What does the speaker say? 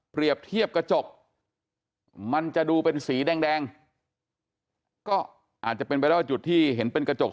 เทียบกระจกมันจะดูเป็นสีแดงก็อาจจะเป็นไปได้ว่าจุดที่เห็นเป็นกระจก